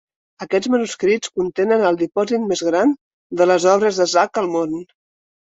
Aquests manuscrits contenen el dipòsit més gran de les obres de Zach al món.